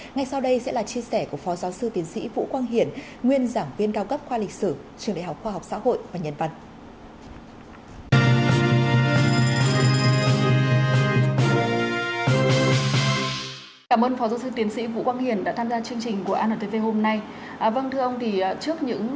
ngay sau đây sẽ là chia sẻ của phó giáo sư tiến sĩ vũ quang hiển